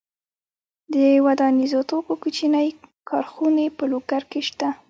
د ودانیزو توکو کوچنۍ کارخونې په لوګر کې شته.